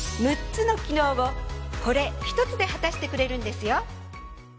６つの機能をこれ１つで果たしてくれるんですよ。